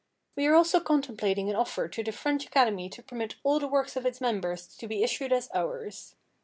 We are also contemplating an offer to the French Academy to permit all the works of its members to be issued as ours.